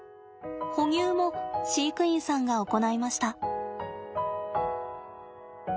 哺乳も飼育員さんが行いました。